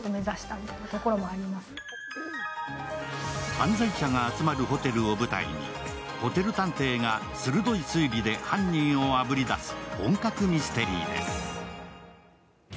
犯罪者が集まるホテルを舞台にホテル探偵が鋭い推理で犯人をあぶり出す本格ミステリーです。